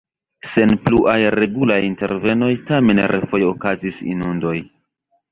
Sen pluaj regulaj intervenoj tamen refoje okazis inundoj.